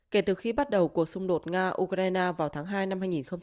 kể từ khi bắt đầu cuộc xung đột nga ukraine vào tháng hai năm hai nghìn hai mươi ba